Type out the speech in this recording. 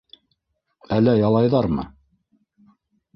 Әллә ялайҙармы?